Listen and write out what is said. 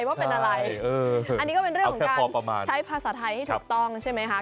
อันนี้ก็เป็นเรื่องของการใช้ภาษาไทยให้ถูกต้องใช่ไหมคะ